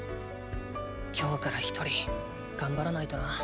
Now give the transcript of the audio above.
今日から一人頑張らないとな。